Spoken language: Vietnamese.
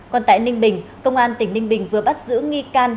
còn tại ninh bình công an tỉnh ninh bình vừa bắt giữ nghi can